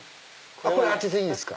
当てていいですか？